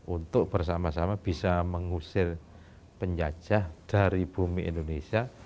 untuk bersama sama bisa mengusir penjajah dari bumi indonesia